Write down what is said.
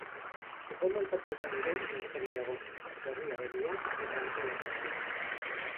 Supermerkatuetan ere denetarik dago, txerri haragia eta alkohola salbu.